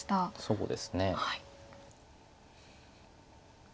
そうですね。